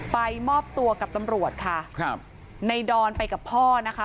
ไปมอบตัวกับตำรวจค่ะครับในดอนไปกับพ่อนะคะ